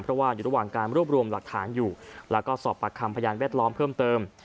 เพราะว่าอยู่ระหว่างการรวบรวมหลักฐานอยู่แล้วก็สอบปากคำพยานแวดล้อมเพิ่มเติม